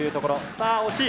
さあ惜しい。